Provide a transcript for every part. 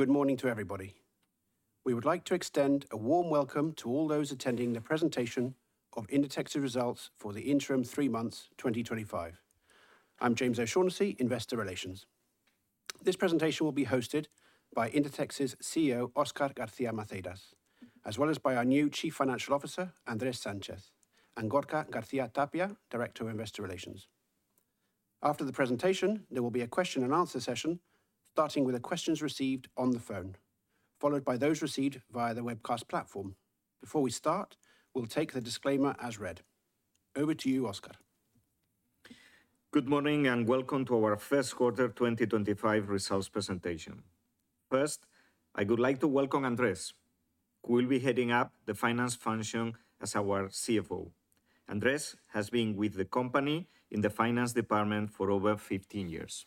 Good morning to everybody. We would like to extend a warm welcome to all those attending the presentation of Inditex's Results for the interim three-months, 2025. I'm James O'Shaughnessy, Investor Relations. This presentation will be hosted by Inditex's CEO, Óscar García Maceiras, as well as by our new Chief Financial Officer, Andrés Sánchez, and Gorka Garcia-Tapia, Director of Investor Relations. After the presentation, there will be a question-and-answer session starting with the questions received on the phone, followed by those received via the webcast platform. Before we start, we'll take the disclaimer as read. Over to you, Óscar. Good morning and welcome to our first quarter 2025 results presentation. First, I would like to welcome Andrés, who will be heading up the finance function as our CFO. Andrés has been with the company in the finance department for over 15 years.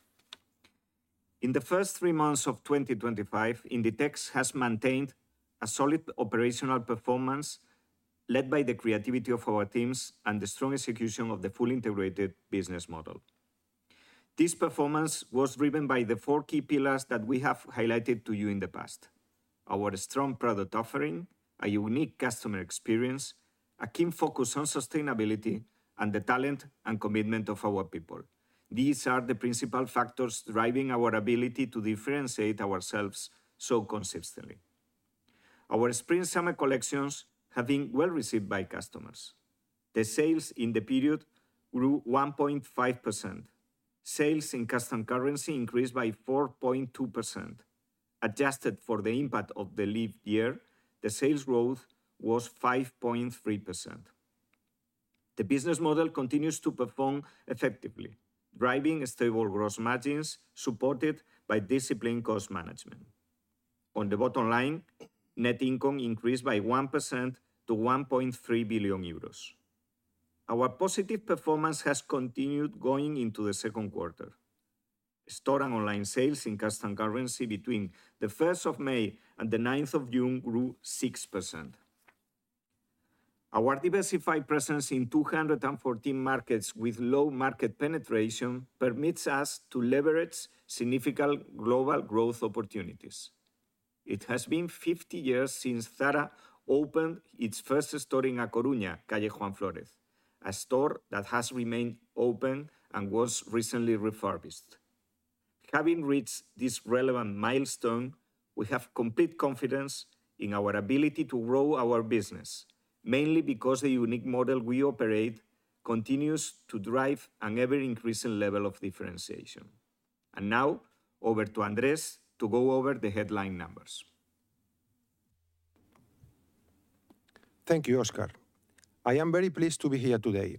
In the first three months of 2025, Inditex has maintained a solid operational performance led by the creativity of our teams and the strong execution of the full integrated business model. This performance was driven by the four key pillars that we have highlighted to you in the past: our strong product offering, a unique customer experience, a keen focus on sustainability, and the talent and commitment of our people. These are the principal factors driving our ability to differentiate ourselves so consistently. Our Spring/Summer collections have been well received by customers. The sales in the period grew 1.5%. Sales in constant currency increased by 4.2%. Adjusted for the impact of the leap year, the sales growth was 5.3%. The business model continues to perform effectively, driving stable gross margins supported by disciplined cost management. On the bottom line, net income increased by 1% to 1.3 billion euros. Our positive performance has continued going into the second quarter. Store and online sales in constant currency between the 1st of May and the 9th of June grew 6%. Our diversified presence in 214 markets with low market penetration permits us to leverage significant global growth opportunities. It has been 50 years since Zara opened its first store in A Coruña, Calle Juan Flórez, a store that has remained open and was recently refurbished. Having reached this relevant milestone, we have complete confidence in our ability to grow our business, mainly because the unique model we operate continues to drive an ever-increasing level of differentiation. Now, over to Andrés to go over the headline numbers. Thank you, Oscar. I am very pleased to be here today.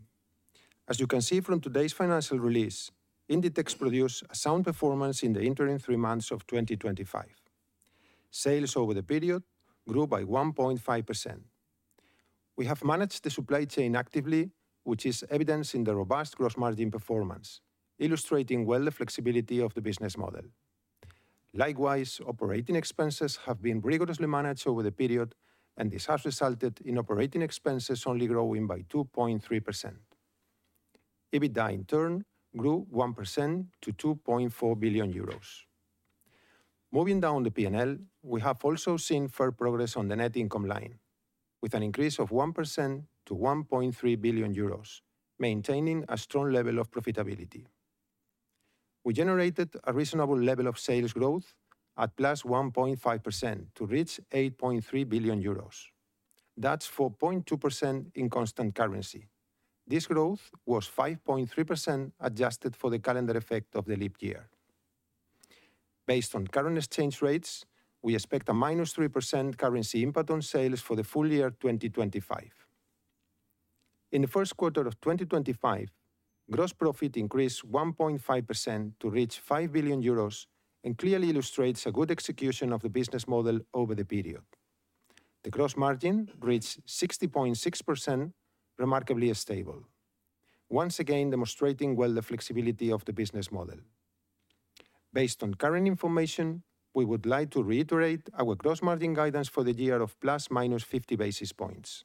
As you can see from today's financial release, Inditex produced a sound performance in the interim three months of 2025. Sales over the period grew by 1.5%. We have managed the supply chain actively, which is evidenced in the robust gross margin performance, illustrating well the flexibility of the business model. Likewise, operating expenses have been rigorously managed over the period, and this has resulted in operating expenses only growing by 2.3%. EBITDA, in turn, grew 1% to 2.4 billion euros. Moving down the P&L, we have also seen further progress on the net income line, with an increase of 1% to 1.3 billion euros, maintaining a strong level of profitability. We generated a reasonable level of sales growth at +1.5% to reach 8.3 billion euros. That's 4.2% in constant currency. This growth was 5.3% adjusted for the calendar effect of the leap year. Based on current exchange rates, we expect a -3% currency impact on sales for the full year 2025. In the first quarter of 2025, gross profit increased 1.5% to reach 5 billion euros and clearly illustrates a good execution of the business model over the period. The gross margin reached 60.6%, remarkably stable, once again demonstrating well the flexibility of the business model. Based on current information, we would like to reiterate our gross margin guidance for the year of +/-50 basis points.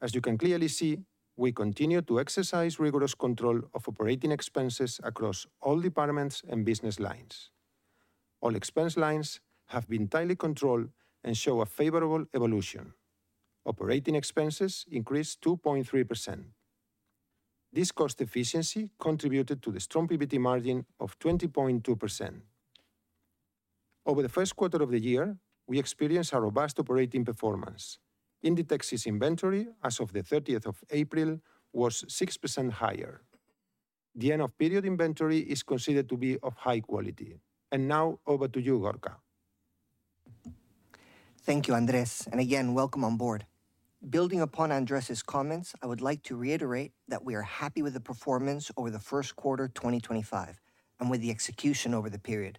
As you can clearly see, we continue to exercise rigorous control of operating expenses across all departments and business lines. All expense lines have been tightly controlled and show a favorable evolution. Operating expenses increased 2.3%. This cost efficiency contributed to the strong PVT margin of 20.2%. Over the first quarter of the year, we experienced a robust operating performance. Inditex's inventory as of the 30th of April was 6% higher. The end-of-period inventory is considered to be of high quality. Now, over to you, Gorka. Thank you, Andrés. Again, welcome on board. Building upon Andrés' comments, I would like to reiterate that we are happy with the performance over the first quarter 2025 and with the execution over the period.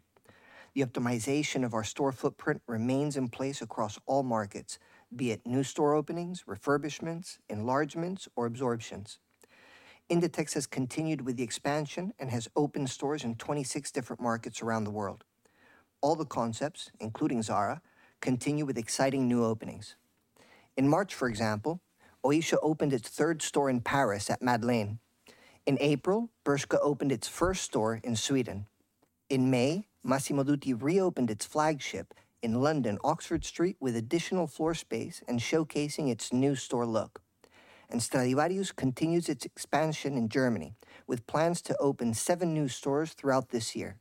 The optimization of our store footprint remains in place across all markets, be it new store openings, refurbishments, enlargements, or absorptions. Inditex has continued with the expansion and has opened stores in 26 different markets around the world. All the concepts, including Zara, continue with exciting new openings. In March, for example, Oysho opened its third store in Paris at Madeleine. In April, Bershka opened its first store in Sweden. In May, Massimo Dutti reopened its flagship in London, Oxford Street, with additional floor space and showcasing its new store look. Stradivarius continues its expansion in Germany with plans to open seven new stores throughout this year.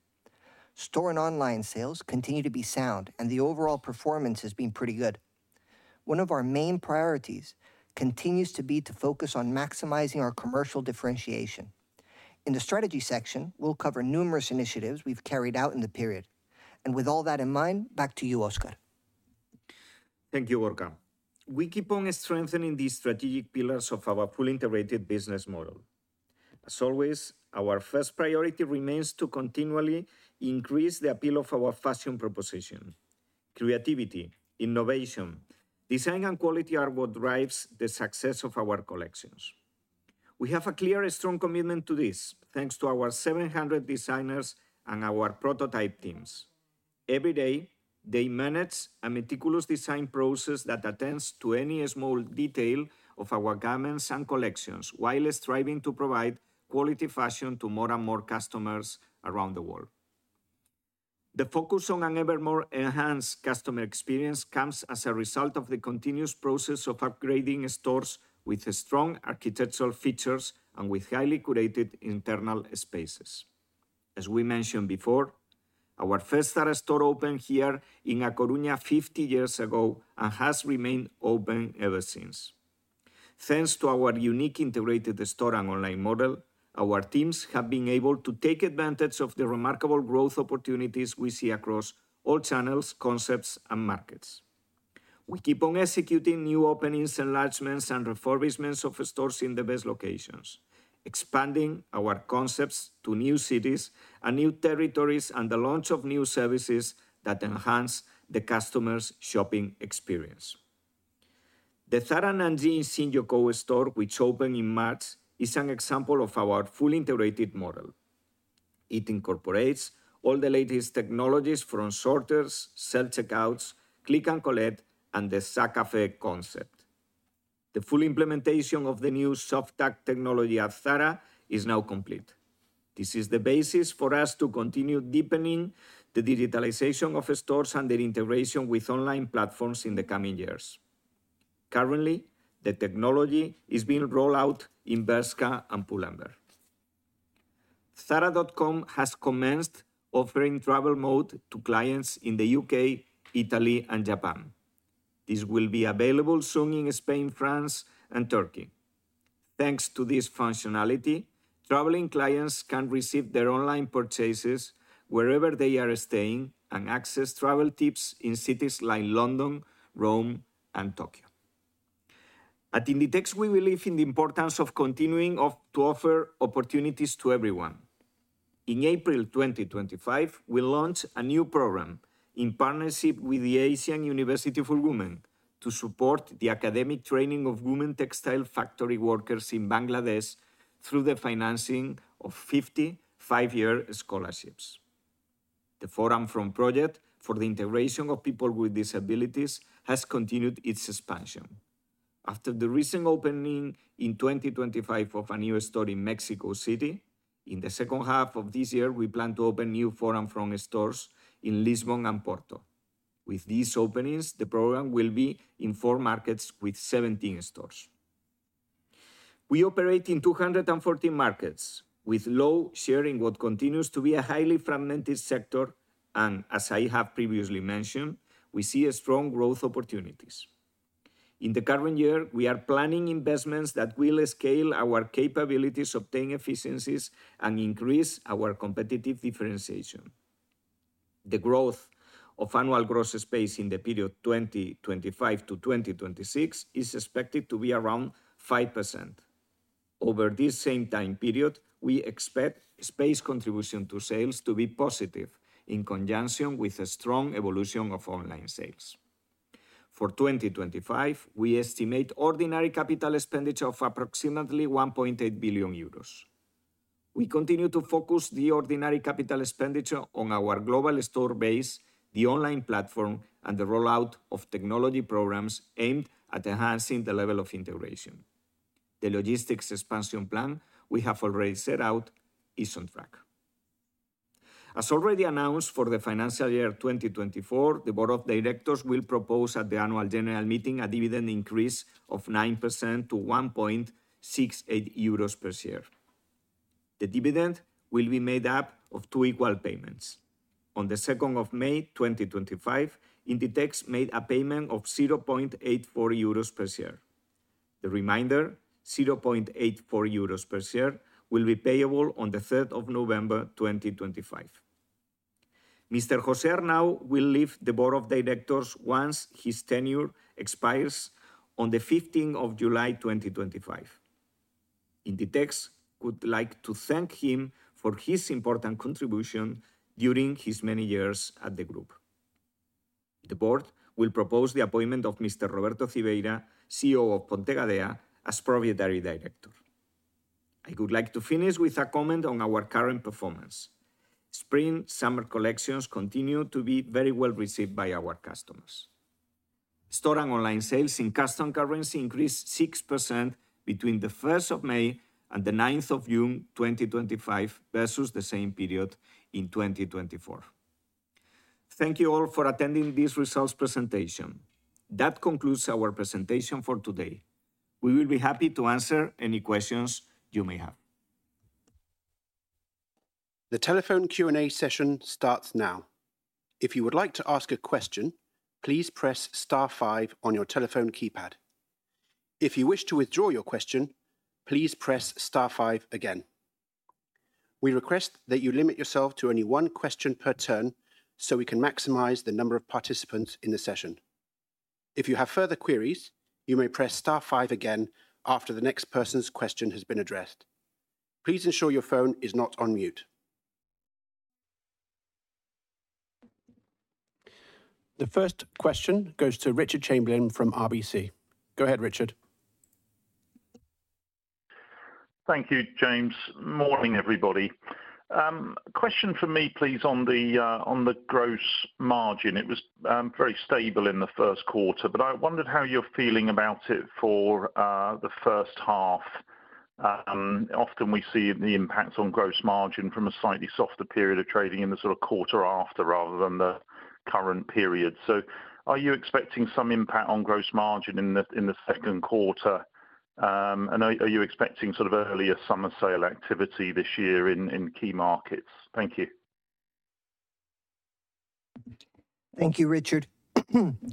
Store and online sales continue to be sound, and the overall performance has been pretty good. One of our main priorities continues to be to focus on maximizing our commercial differentiation. In the strategy section, we will cover numerous initiatives we have carried out in the period. With all that in mind, back to you, Oscar. Thank you, Gorka. We keep on strengthening these strategic pillars of our fully integrated business model. As always, our first priority remains to continually increase the appeal of our fashion proposition. Creativity, innovation, design, and quality are what drive the success of our collections. We have a clear and strong commitment to this, thanks to our 700 designers and our prototype teams. Every day, they manage a meticulous design process that attends to any small detail of our garments and collections while striving to provide quality fashion to more and more customers around the world. The focus on an ever more enhanced customer experience comes as a result of the continuous process of upgrading stores with strong architectural features and with highly curated internal spaces. As we mentioned before, our first Zara store opened here in A Coruña 50 years ago and has remained open ever since. Thanks to our unique integrated store and online model, our teams have been able to take advantage of the remarkable growth opportunities we see across all channels, concepts, and markets. We keep on executing new openings, enlargements, and refurbishments of stores in the best locations, expanding our concepts to new cities and new territories and the launch of new services that enhance the customer's shopping experience. The Zara Nanjing Xinjiekou store, which opened in March, is an example of our full integrated model. It incorporates all the latest technologies from sorters, self-checkouts, click-and-collect, and the Zacaffé concept. The full implementation of the new soft-tag technology at Zara is now complete. This is the basis for us to continue deepening the digitalization of stores and their integration with online platforms in the coming years. Currently, the technology is being rolled out in Bershka and Pull & Bear. Zara.com has commenced offering travel mode to clients in the U.K., Italy, and Japan. This will be available soon in Spain, France, and Turkey. Thanks to this functionality, traveling clients can receive their online purchases wherever they are staying and access travel tips in cities like London, Rome, and Tokyo. At Inditex, we believe in the importance of continuing to offer opportunities to everyone. In April 2025, we launch a new program in partnership with the Asian University for Women to support the academic training of women textile factory workers in Bangladesh through the financing of 50 five-year scholarships. The for&from for the Integration of People with Disabilities has continued its expansion. After the recent opening in 2025 of a new store in Mexico City, in the second half of this year, we plan to open new for&from stores in Lisbon and Porto. With these openings, the program will be in four markets with 17 stores. We operate in 214 markets, with low share in what continues to be a highly fragmented sector, and as I have previously mentioned, we see strong growth opportunities. In the current year, we are planning investments that will scale our capabilities, obtain efficiencies, and increase our competitive differentiation. The growth of annual gross space in the period 2025-2026 is expected to be around 5%. Over this same time period, we expect space contribution to sales to be positive in conjunction with a strong evolution of online sales. For 2025, we estimate ordinary capital expenditure of approximately 1.8 billion euros. We continue to focus the ordinary capital expenditure on our global store base, the online platform, and the rollout of technology programs aimed at enhancing the level of integration. The logistics expansion plan we have already set out is on track. As already announced for the financial year 2024, the board of directors will propose at the annual general meeting a dividend increase of 9% to 1.68 euros per share. The dividend will be made up of two equal payments. On the 2nd of May 2025, Inditex made a payment of 0.84 euros per share. The remainder, 0.84 euros per share, will be payable on the 3rd of November 2025. Mr. José Arnau will leave the board of directors once his tenure expires on the 15th of July 2025. Inditex would like to thank him for his important contribution during his many years at the group. The board will propose the appointment of Mr. Roberto Cibeira, CEO of Ponte Gadea, as Proprietary Director. I would like to finish with a comment on our current performance. Spring Summer Collections continue to be very well received by our customers. Store and online sales in constant currency increased 6% between the 1st of May and the 9th of June 2025 versus the same period in 2024. Thank you all for attending this results presentation. That concludes our presentation for today. We will be happy to answer any questions you may have. The telephone Q&A session starts now. If you would like to ask a question, please press star five on your telephone keypad. If you wish to withdraw your question, please press star five again. We request that you limit yourself to only one question per turn so we can maximize the number of participants in the session. If you have further queries, you may press star five again after the next person's question has been addressed. Please ensure your phone is not on mute. The first question goes to Richard Chamberlain from RBC. Go ahead, Richard. Thank you, James. Morning, everybody. Question for me, please, on the gross margin. It was very stable in the first quarter, but I wondered how you're feeling about it for the first half. Often we see the impact on gross margin from a slightly softer period of trading in the sort of quarter after rather than the current period. Are you expecting some impact on gross margin in the second quarter? Are you expecting sort of earlier summer sale activity this year in key markets? Thank you. Thank you, Richard.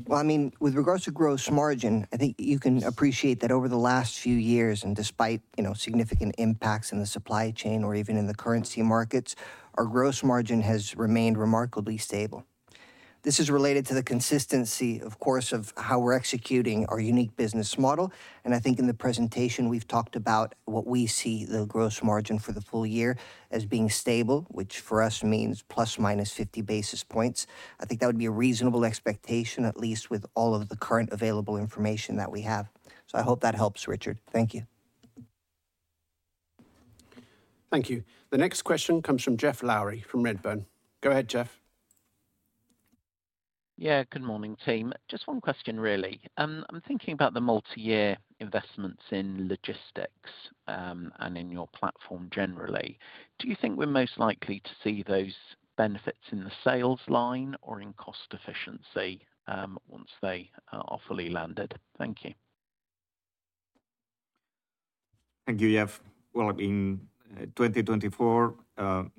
I mean, with regards to gross margin, I think you can appreciate that over the last few years, and despite significant impacts in the supply chain or even in the currency markets, our gross margin has remained remarkably stable. This is related to the consistency, of course, of how we're executing our unique business model. I think in the presentation, we've talked about what we see the gross margin for the full year as being stable, which for us means +/-50 basis points. I think that would be a reasonable expectation, at least with all of the current available information that we have. I hope that helps, Richard. Thank you. Thank you. The next question comes from Geoff Lowery from Redburn. Go ahead, Jeff. Yeah, good morning, team. Just one question, really. I'm thinking about the multi-year investments in logistics and in your platform generally. Do you think we're most likely to see those benefits in the sales line or in cost efficiency once they are fully landed? Thank you. Thank you, Geoff. In 2024,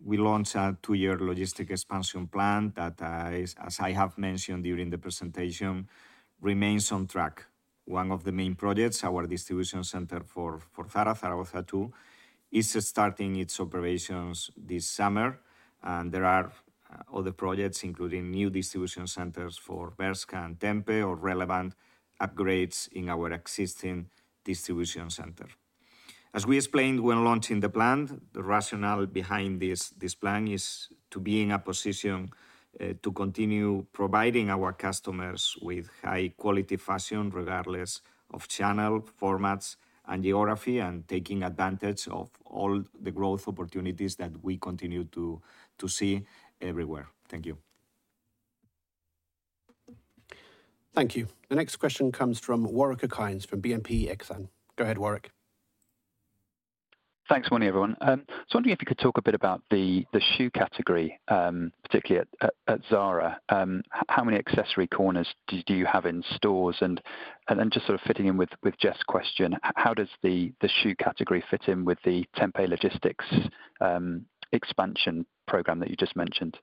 we launched a two-year logistic expansion plan that, as I have mentioned during the presentation, remains on track. One of the main projects, our distribution center for Zara in Zaragoza II, is starting its operations this summer. There are other projects, including new distribution centers for Bershka and Tempe, or relevant upgrades in our existing distribution center. As we explained when launching the plan, the rationale behind this plan is to be in a position to continue providing our customers with high-quality fashion, regardless of channel, formats, and geography, and taking advantage of all the growth opportunities that we continue to see everywhere. Thank you. Thank you. The next question comes from Warwick O'Kynes from BNP Exxon. Go ahead, Warwick. Thanks, morning, everyone. I was wondering if you could talk a bit about the shoe category, particularly at Zara. How many accessory corners do you have in stores? Just sort of fitting in with Geoff's question, how does the shoe category fit in with the Tempe logistics expansion program that you just mentioned?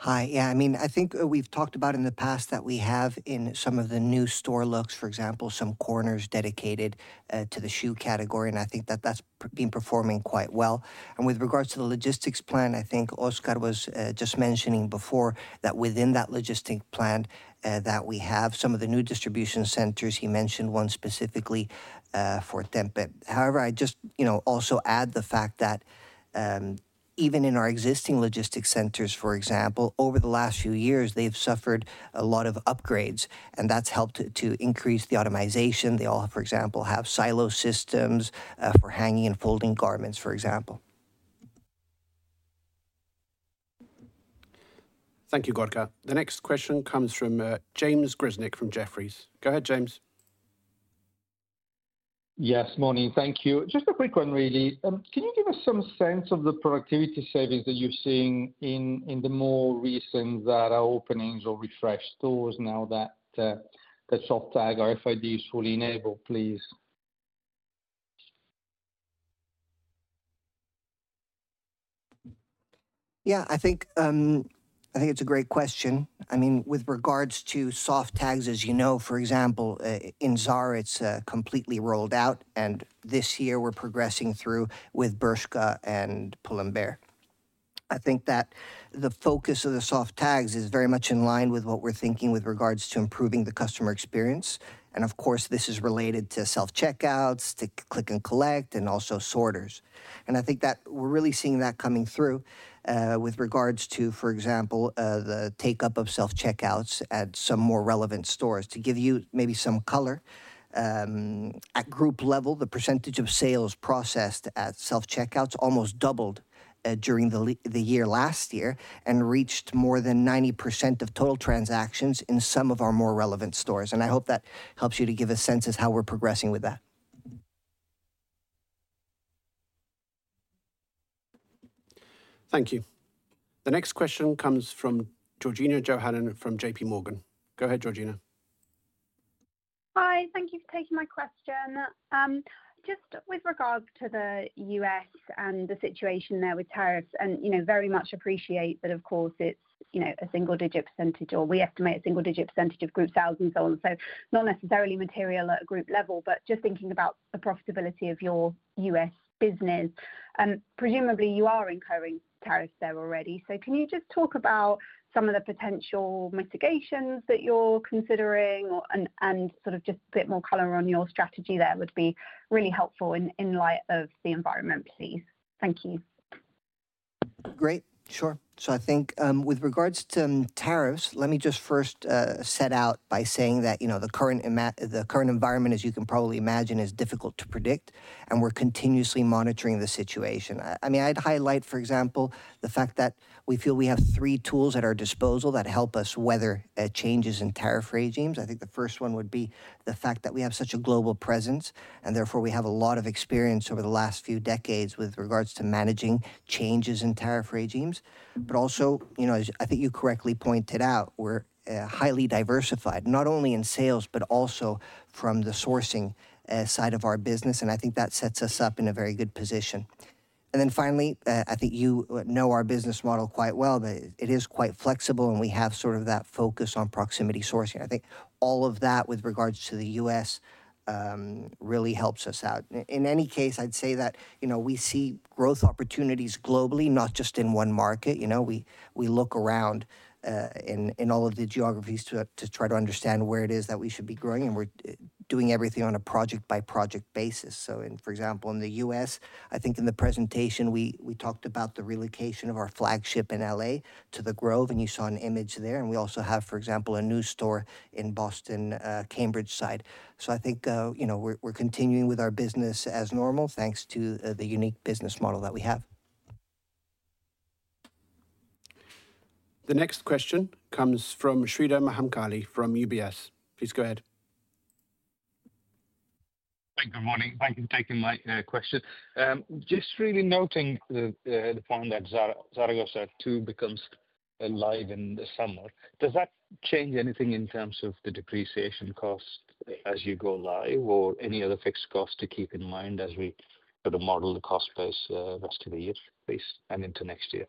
Hi. Yeah, I mean, I think we've talked about in the past that we have in some of the new store looks, for example, some corners dedicated to the shoe category. I think that that's been performing quite well. With regards to the logistics plan, I think Oscar was just mentioning before that within that logistics plan that we have some of the new distribution centers. He mentioned one specifically for Tempe. I just also add the fact that even in our existing logistics centers, for example, over the last few years, they've suffered a lot of upgrades, and that's helped to increase the automization. They all, for example, have silo systems for hanging and folding garments, for example. Thank you, Gorka. The next question comes from James Grzinic from Jefferies. Go ahead, James. Yes, morning. Thank you. Just a quick one, really. Can you give us some sense of the productivity savings that you're seeing in the more recent Zara openings or refreshed stores now that soft-tag or RFID is fully enabled, please? Yeah, I think it's a great question. I mean, with regards to soft-tags, as you know, for example, in Zara, it's completely rolled out. This year, we're progressing through with Bershka and Pull & Bear. I think that the focus of the soft-tags is very much in line with what we're thinking with regards to improving the customer experience. Of course, this is related to self-checkouts, to click-and-collect, and also sorters. I think that we're really seeing that coming through with regards to, for example, the take-up of self-checkouts at some more relevant stores. To give you maybe some color, at group level, the percentage of sales processed at self-checkouts almost doubled during the year last year and reached more than 90% of total transactions in some of our more relevant stores. I hope that helps you to give a sense of how we're progressing with that. Thank you. The next question comes from Georgina Johanan from JPMorgan. Go ahead, Georgina. Hi, thank you for taking my question. Just with regards to the U.S. and the situation there with tariffs, and very much appreciate that, of course, it's a single-digit percentage, or we estimate a single-digit percentage of group sales and so on. Not necessarily material at a group level, but just thinking about the profitability of your U.S. business. Presumably, you are incurring tariffs there already. Can you just talk about some of the potential mitigations that you're considering and sort of just a bit more color on your strategy there would be really helpful in light of the environment, please? Thank you. Great. Sure. I think with regards to tariffs, let me just first set out by saying that the current environment, as you can probably imagine, is difficult to predict. We are continuously monitoring the situation. I mean, I would highlight, for example, the fact that we feel we have three tools at our disposal that help us weather changes in tariff regimes. I think the first one would be the fact that we have such a global presence, and therefore we have a lot of experience over the last few decades with regards to managing changes in tariff regimes. I think you correctly pointed out, we are highly diversified, not only in sales, but also from the sourcing side of our business. I think that sets us up in a very good position. I think you know our business model quite well, but it is quite flexible, and we have sort of that focus on proximity sourcing. I think all of that with regards to the U.S. really helps us out. In any case, I'd say that we see growth opportunities globally, not just in one market. We look around in all of the geographies to try to understand where it is that we should be growing. We're doing everything on a project-by-project basis. For example, in the U.S., I think in the presentation, we talked about the relocation of our flagship in L.A. to The Grove, and you saw an image there. We also have, for example, a new store in Boston, CambridgeSide. I think we're continuing with our business as normal, thanks to the unique business model that we have. The next question comes from Sreedhar Mahamkali from UBS. Please go ahead. Thank you, good morning. Thank you for taking my question. Just really noting the point that Zaragoza too becomes live in the summer. Does that change anything in terms of the depreciation cost as you go live, or any other fixed cost to keep in mind as we sort of model the cost base rest of the year, please, and into next year?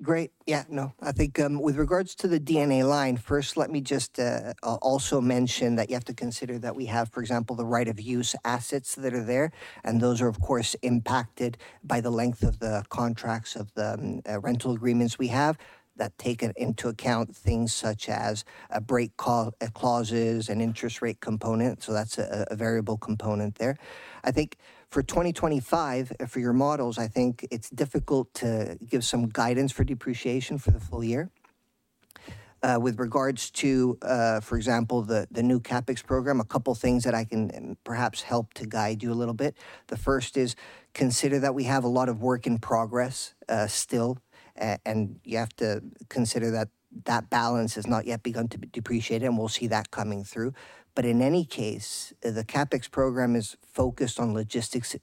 Great. Yeah, no. I think with regards to the DNA line, first, let me just also mention that you have to consider that we have, for example, the right-of-use assets that are there. Those are, of course, impacted by the length of the contracts of the rental agreements we have that take into account things such as break clauses and interest rate components. That is a variable component there. I think for 2025, for your models, I think it's difficult to give some guidance for depreciation for the full year. With regards to, for example, the new CapEx program, a couple of things that I can perhaps help to guide you a little bit. The first is consider that we have a lot of work in progress still, and you have to consider that that balance has not yet begun to be depreciated, and we'll see that coming through. In any case, the CapEx program is focused on logistics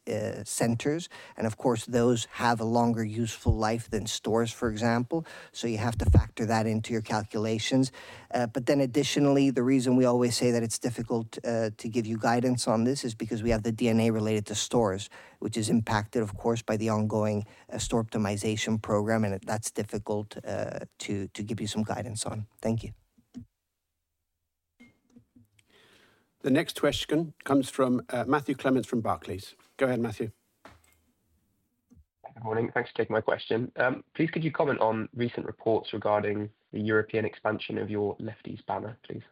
centers. Of course, those have a longer useful life than stores, for example. You have to factor that into your calculations. Additionally, the reason we always say that it's difficult to give you guidance on this is because we have the DNA related to stores, which is impacted, of course, by the ongoing store optimization program. That's difficult to give you some guidance on. Thank you. The next question comes from Matthew Clements from Barclays. Go ahead, Matthew. Good morning. Thanks for taking my question. Please, could you comment on recent reports regarding the European expansion of your Lefties banner, please?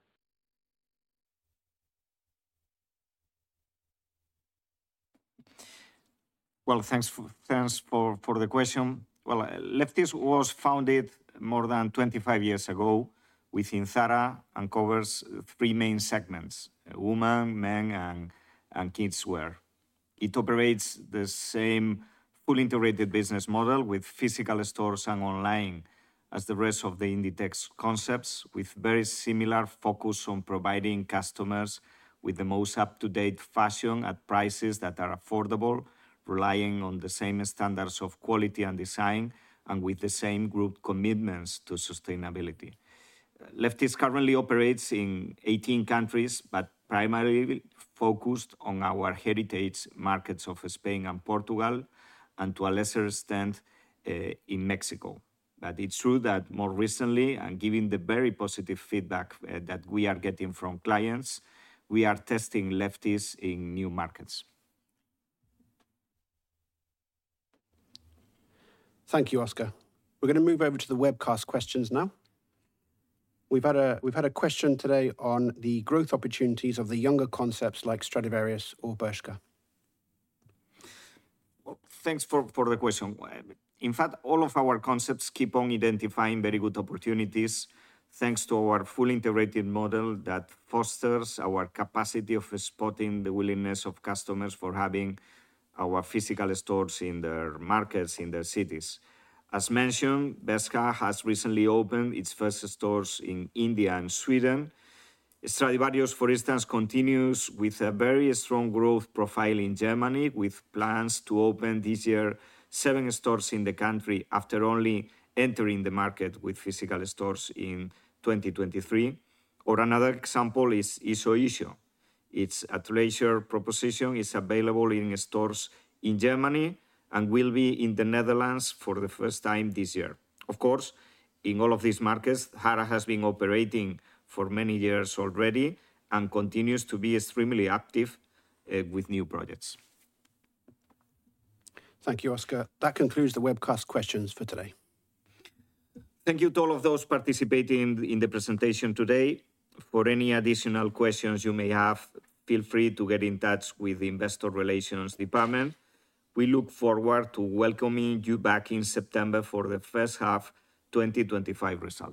Thanks for the question. Lefties was founded more than 25 years ago within Zara and covers three main segments: women, men, and kids wear. It operates the same fully integrated business model with physical stores and online as the rest of the Inditex concepts, with very similar focus on providing customers with the most up-to-date fashion at prices that are affordable, relying on the same standards of quality and design, and with the same group commitments to sustainability. Lefties currently operates in 18 countries, but primarily focused on our heritage markets of Spain and Portugal, and to a lesser extent in Mexico. It's true that more recently, and given the very positive feedback that we are getting from clients, we are testing Lefties in new markets. Thank you, Oscar. We're going to move over to the webcast questions now. We've had a question today on the growth opportunities of the younger concepts like Stradivarius or Bershka. Thanks for the question. In fact, all of our concepts keep on identifying very good opportunities, thanks to our fully integrated model that fosters our capacity of spotting the willingness of customers for having our physical stores in their markets, in their cities. As mentioned, Bershka has recently opened its first stores in India and Sweden. Stradivarius, for instance, continues with a very strong growth profile in Germany, with plans to open this year seven stores in the country after only entering the market with physical stores in 2023. Or another example is Oysho. Its treasure proposition is available in stores in Germany and will be in the Netherlands for the first time this year. Of course, in all of these markets, Zara has been operating for many years already and continues to be extremely active with new projects. Thank you, Oscar. That concludes the webcast questions for today. Thank you to all of those participating in the presentation today. For any additional questions you may have, feel free to get in touch with the Investor Relations Department. We look forward to welcoming you back in September for the first half 2025 results.